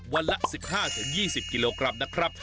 วันละ๑๕๒๐กิโลกรัมนะครับ